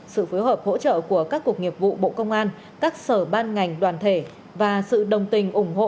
sự phối hợp hỗ trợ của các cục nghiệp vụ bộ công an các sở ban ngành đoàn thể và sự đồng tình ủng hộ